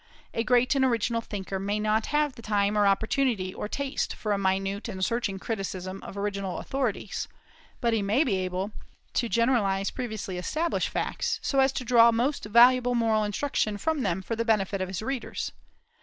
A great and original thinker may not have the time or opportunity or taste for a minute and searching criticism of original authorities; but he may be able to generalize previously established facts so as to draw most valuable moral instruction from them for the benefit of his readers.